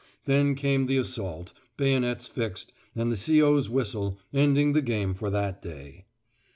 Then came the assault, bayonets fixed, and the C.O.'s whistle, ending the game for that day.